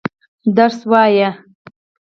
درس وايه.